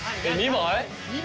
２枚？